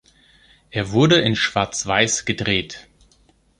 Er wurde in Schwarzweiß gedreht.